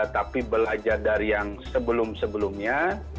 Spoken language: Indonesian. tapi belajar dari yang sebelum sebelumnya